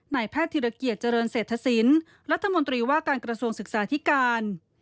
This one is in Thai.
นายแพทย์ธิรเกียจเจริญเศรษฐศิลป์รัฐมนตรีว่าการกระทรวงศึกษาธิการ